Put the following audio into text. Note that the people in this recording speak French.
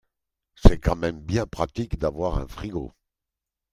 C'est quand même bien pratique d'avoir un frigo.